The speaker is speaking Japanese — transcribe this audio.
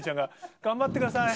頑張ってください。